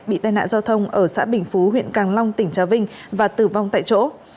bị tai nạn giao thông ở xã bình phú huyện càng long tỉnh trà vinh và tử vong tại chỗ